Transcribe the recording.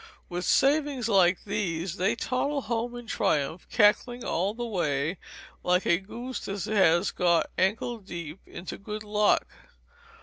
With savings like these they toddle home in triumph, cackling all the way, like a goose that has got ankle deep into good luck.